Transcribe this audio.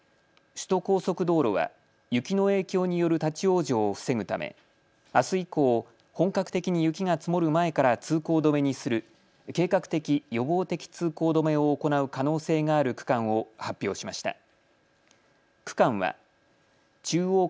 首都高速道路は雪の影響による立往生を防ぐためあす以降、本格的に雪が積もる前から通行止めにする計画的・予防的通行止めを行う可能性がある区間を発表しました。